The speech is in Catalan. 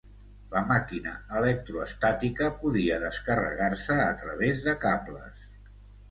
La màquina electroestàtica podia descarregar-se a través de cables.